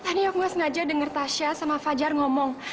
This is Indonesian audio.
tadi aku nggak sengaja denger tasya sama pajar ngomong